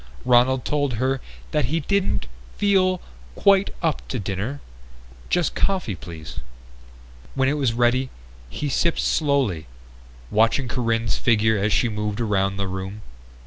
Ronald told her that he didn't feel "quite up to dinner. Just coffee, please." When it was ready he sipped slowly, watching Corinne's figure as she moved around the room.